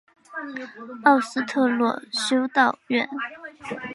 奥斯特洛修道院。